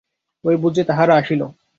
ঐ বুঝি তাহারা আসিল।